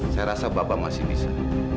saya rasa bapak masih bisa